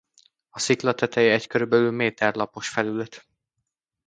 A szikla teteje egy körülbelül méter lapos felület.